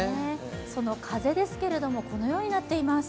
風ですけれど、このようになっています。